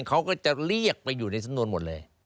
เขาก็จะเรียกไปอยู่ในสำนวนหมดเลย